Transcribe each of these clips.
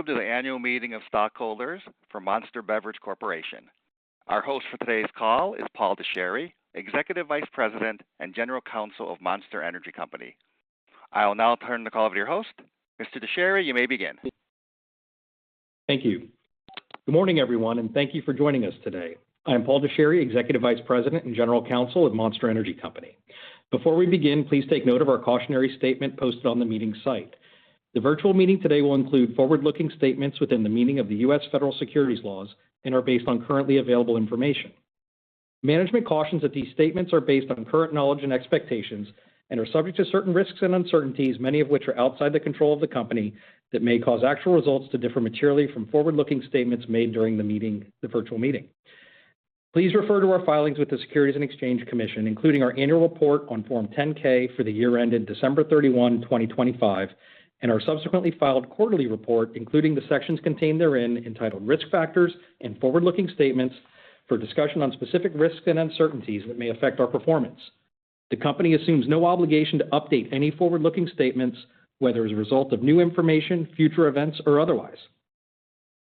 Welcome to the annual meeting of stockholders for Monster Beverage Corporation. Our host for today's call is Paul Dechary, Executive Vice President and General Counsel of Monster Energy Company. I will now turn the call over to your host. Mr. Dechary, you may begin. Thank you. Good morning, everyone, and thank you for joining us today. I'm Paul Dechary, Executive Vice President and General Counsel of Monster Energy Company. Before we begin, please take note of our cautionary statement posted on the meeting site. The virtual meeting today will include forward-looking statements within the meaning of the US Federal securities laws and are based on currently available information. Management cautions that these statements are based on current knowledge and expectations and are subject to certain risks and uncertainties, many of which are outside the control of the company, that may cause actual results to differ materially from forward-looking statements made during the meeting, the virtual meeting. Please refer to our filings with the Securities and Exchange Commission, including our annual report on Form 10-K for the year ended December 31, 2025, and our subsequently filed quarterly report, including the sections contained therein, entitled Risk Factors and Forward-Looking Statements for discussion on specific risks and uncertainties that may affect our performance. The company assumes no obligation to update any forward-looking statements, whether as a result of new information, future events, or otherwise.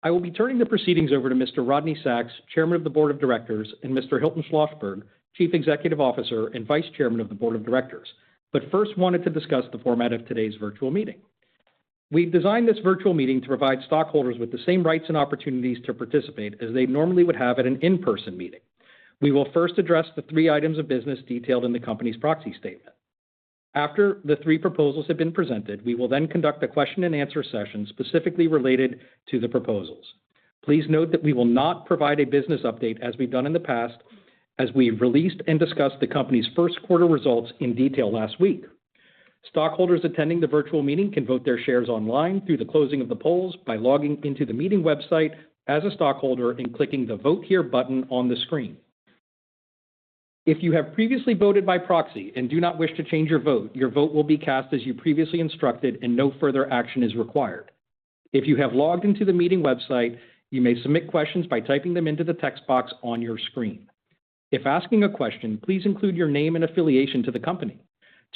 I will be turning the proceedings over to Mr. Rodney Sacks, Chairman of the Board of Directors, and Mr. Hilton Schlosberg, Chief Executive Officer and Vice Chairman of the Board of Directors. First wanted to discuss the format of today's virtual meeting. We've designed this virtual meeting to provide stockholders with the same rights and opportunities to participate as they normally would have at an in-person meeting. We will first address the three items of business detailed in the company's proxy statement. After the three proposals have been presented, we will then conduct a question and answer session specifically related to the proposals. Please note that we will not provide a business update as we've done in the past as we released and discussed the company's first quarter results in detail last week. Stockholders attending the virtual meeting can vote their shares online through the closing of the polls by logging into the meeting website as a stockholder and clicking the Vote Here button on the screen. If you have previously voted by proxy and do not wish to change your vote, your vote will be cast as you previously instructed and no further action is required. If you have logged into the meeting website, you may submit questions by typing them into the text box on your screen. If asking a question, please include your name and affiliation to the company.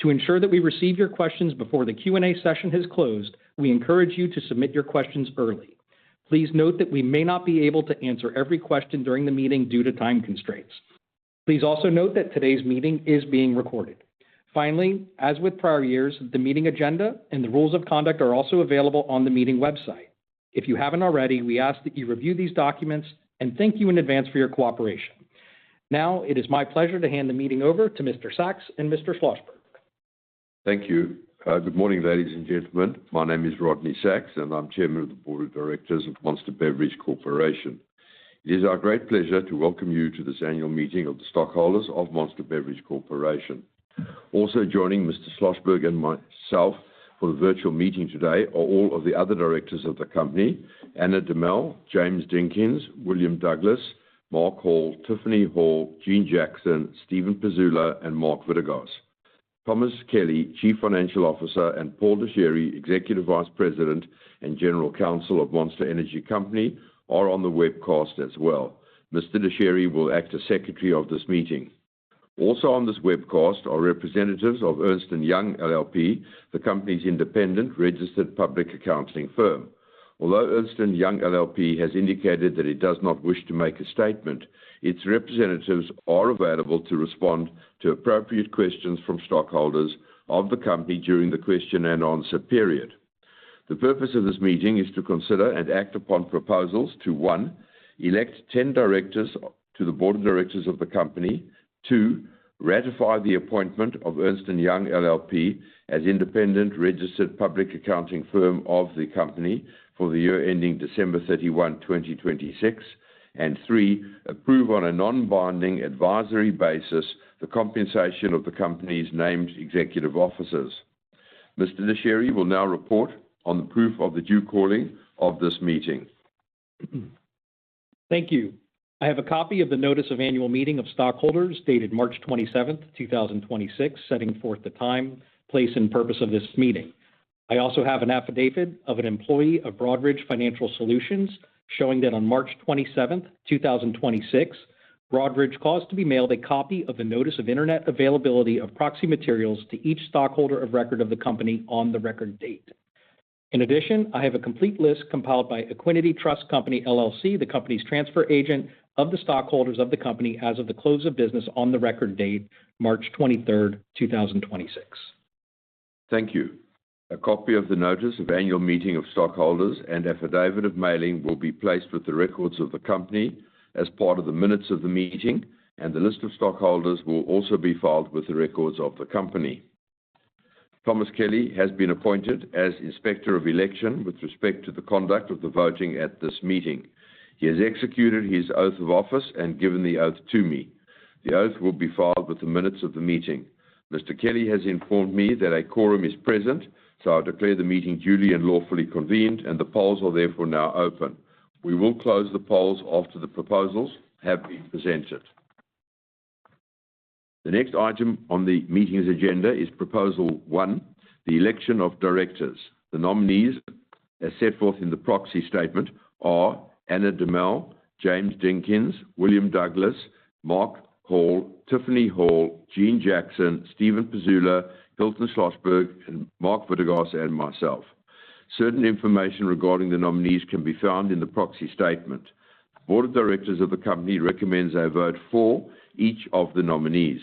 To ensure that we receive your questions before the Q&A session has closed, we encourage you to submit your questions early. Please note that we may not be able to answer every question during the meeting due to time constraints. Please also note that today's meeting is being recorded. Finally, as with prior years, the meeting agenda and the rules of conduct are also available on the meeting website. If you haven't already, we ask that you review these documents and thank you in advance for your cooperation. Now, it is my pleasure to hand the meeting over to Mr. Sacks and Mr. Schlosberg. Thank you. Good morning, ladies and gentlemen. My name is Rodney Sacks, and I'm Chairman of the Board of Directors of Monster Beverage Corporation. It is our great pleasure to welcome you to this annual meeting of the stockholders of Monster Beverage Corporation. Also joining Mr. Schlosberg and myself for the virtual meeting today are all of the other Directors of the company, Ana Demel, James Dinkins, William Douglas, Mark Hall, Tiffany Hall, Jeanne Jackson, Steven G. Pizula, and Mark Vidergauz. Thomas Kelly, Chief Financial Officer, and Paul Dechary, Executive Vice President and General Counsel of Monster Energy Company, are on the webcast as well. Mr. Dechary will act as secretary of this meeting. Also on this webcast are representatives of Ernst & Young LLP, the company's independent registered public accounting firm. Although Ernst & Young LLP has indicated that it does not wish to make a statement, its representatives are available to respond to appropriate questions from stockholders of the company during the question and answer period. The purpose of this meeting is to consider and act upon proposals to, one, elect 10 directors to the board of directors of the company. Two, ratify the appointment of Ernst & Young LLP as independent registered public accounting firm of the company for the year ending December 31, 2026. Three, approve on a non-binding advisory basis the compensation of the company's named executive officers. Mr. Dechary will now report on the proof of the due calling of this meeting. Thank you. I have a copy of the notice of annual meeting of stockholders dated March 27, 2026, setting forth the time, place, and purpose of this meeting. I also have an affidavit of an employee of Broadridge Financial Solutions showing that on March 27, 2026, Broadridge caused to be mailed a copy of the notice of Internet availability of proxy materials to each stockholder of record of the company on the record date. In addition, I have a complete list compiled by Equiniti Trust Company, LLC, the company's transfer agent of the stockholders of the company as of the close of business on the record date, March 23, 2026. Thank you. A copy of the notice of annual meeting of stockholders and affidavit of mailing will be placed with the records of the company as part of the minutes of the meeting. The list of stockholders will also be filed with the records of the company. Thomas Kelly has been appointed as Inspector of Election with respect to the conduct of the voting at this meeting. He has executed his oath of office and given the oath to me. The oath will be filed with the minutes of the meeting. Mr. Kelly has informed me that a quorum is present. I declare the meeting duly and lawfully convened and the polls are therefore now open. We will close the polls after the proposals have been presented. The next item on the meeting's agenda is proposal one, the election of directors. The nominees, as set forth in the proxy statement are Ana Demel, James Dinkins, William Douglas, Mark Hall, Tiffany Hall, Jeanne Jackson, Steven G. Pizula, Hilton Schlosberg, and Mark Vidergauz, and myself. Certain information regarding the nominees can be found in the proxy statement. Board of Directors of the company recommends a vote for each of the nominees.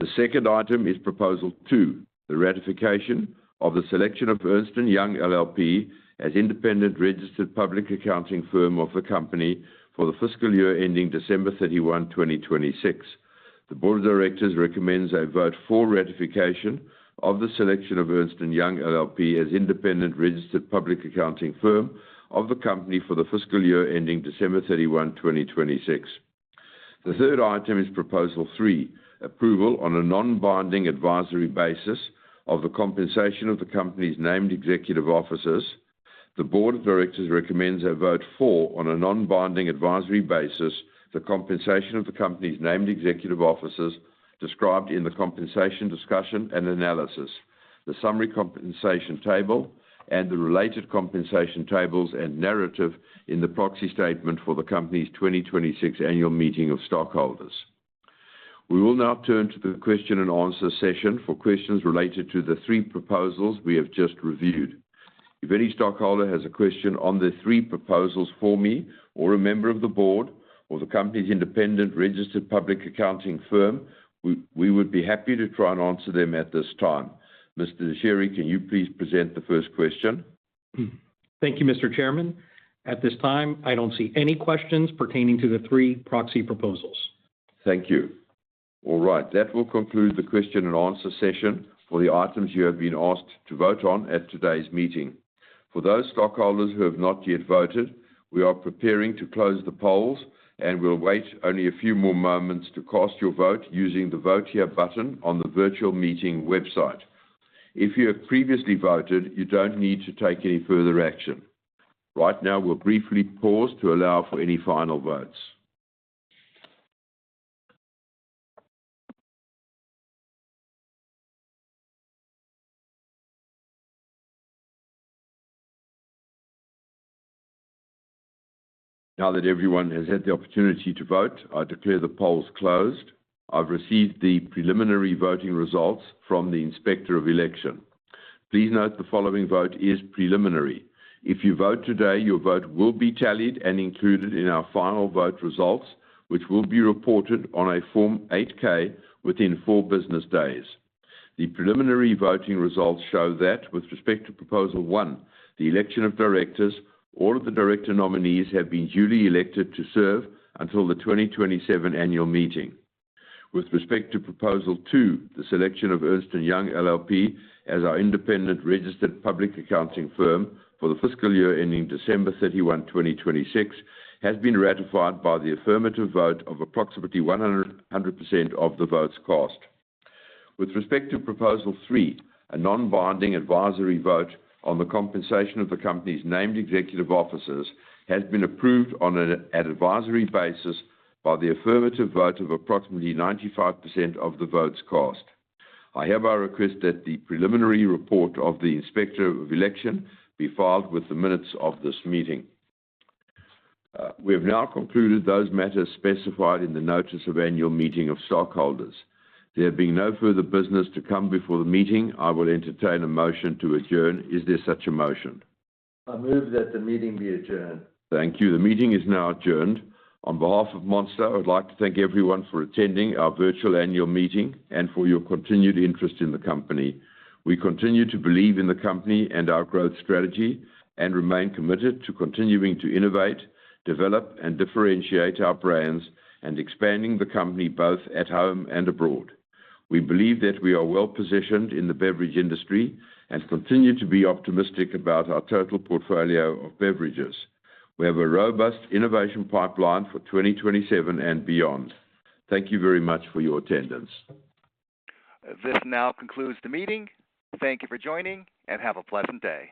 The second item is proposal two, the ratification of the selection of Ernst & Young LLP as independent registered public accounting firm of the company for the fiscal year ending December 31, 2026. The Board of Directors recommends a vote for ratification of the selection of Ernst & Young LLP as independent registered public accounting firm of the company for the fiscal year ending December 31, 2026. The third item is proposal three, approval on a non-binding advisory basis of the compensation of the company's named executive officers. The board of directors recommends a vote for, on a non-binding advisory basis, the compensation of the company's named executive officers described in the compensation discussion and analysis, the summary compensation table, and the related compensation tables and narrative in the proxy statement for the company's 2026 annual meeting of stockholders. We will now turn to the question and answer session for questions related to the three proposals we have just reviewed. If any stockholder has a question on the three proposals for me or a member of the board or the company's independent registered public accounting firm, we would be happy to try and answer them at this time. Mr. Dechary, can you please present the first question? Thank you, Mr. Chairman. At this time, I don't see any questions pertaining to the three proxy proposals. Thank you. All right. That will conclude the question and answer session for the items you have been asked to vote on at today's meeting. For those stockholders who have not yet voted, we are preparing to close the polls, and we'll wait only a few more moments to cast your vote using the Vote Here button on the virtual meeting website. If you have previously voted, you don't need to take any further action. Right now, we'll briefly pause to allow for any final votes. Now that everyone has had the opportunity to vote, I declare the polls closed. I've received the preliminary voting results from the Inspector of Election. Please note the following vote is preliminary. If you vote today, your vote will be tallied and included in our final vote results, which will be reported on a Form 8-K within four business days. The preliminary voting results show that with respect to proposal one, the election of directors, all of the director nominees have been duly elected to serve until the 2027 annual meeting. With respect to proposal two, the selection of Ernst & Young LLP as our independent registered public accounting firm for the fiscal year ending December 31, 2026, has been ratified by the affirmative vote of approximately 100% of the votes cast. With respect to proposal, a non-binding advisory vote on the compensation of the company's named executive officers has been approved on an at advisory basis by the affirmative vote of approximately 95% of the votes cast. I hereby request that the preliminary report of the Inspector of Election be filed with the minutes of this meeting. We have now concluded those matters specified in the notice of annual meeting of stockholders. There being no further business to come before the meeting, I will entertain a motion to adjourn. Is there such a motion? I move that the meeting be adjourned. Thank you. The meeting is now adjourned. On behalf of Monster, I would like to thank everyone for attending our virtual annual meeting and for your continued interest in the company. We continue to believe in the company and our growth strategy and remain committed to continuing to innovate, develop, and differentiate our brands and expanding the company both at home and abroad. We believe that we are well-positioned in the beverage industry and continue to be optimistic about our total portfolio of beverages. We have a robust innovation pipeline for 2027 and beyond. Thank you very much for your attendance. This now concludes the meeting. Thank you for joining, and have a pleasant day.